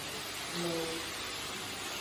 Lowo.